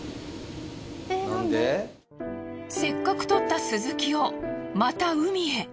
せっかく獲ったスズキをまた海へ。